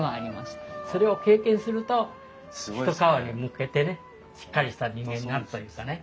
それを経験すると一皮むけてねしっかりした人間になるというかね。